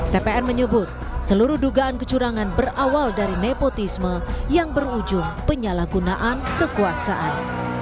tpn menyebut seluruh dugaan kecurangan berawal dari nepotisme yang berujung penyalahgunaan kekuasaan